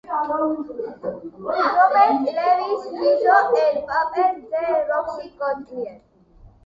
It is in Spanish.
Robert Lewis hizo el papel de Roxy Gottlieb.